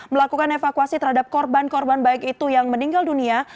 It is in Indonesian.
melakukan evakuasi terhadap korban korban baik itu yang meninggal dunia